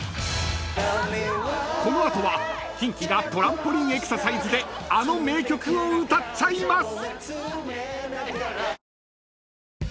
［この後はキンキがトランポリンエクササイズであの名曲を歌っちゃいます！］